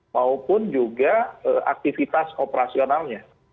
maupun juga aktivitas operasionalnya